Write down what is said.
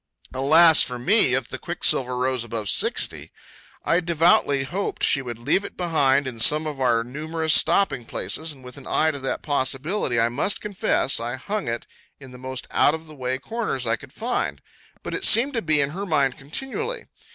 Alas for me if the quicksilver rose above 60! I devoutly hoped she would leave it behind in some of our numerous stopping places, and with an eye to that possibility, I must confess, I hung it in the most out of the way corners I could find; but it seemed to be on her mind continually.